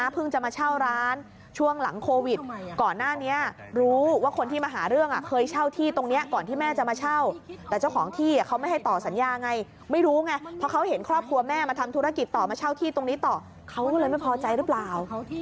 จะมาเช่าร้านช่วงหลังโควิดก่อนหน้านี้รู้ว่าคนที่มาหาเรื่องเคยเช่าที่ตรงนี้ก่อนที่แม่จะมาเช่าแต่เจ้าของที่เขาไม่ให้ต่อสัญญาไงไม่รู้ไงเพราะเขาเห็นครอบครัวแม่มาทำธุรกิจต่อมาเช่าที่ตรงนี้ต่อเขาเลยไม่พอใจหรือเปล่า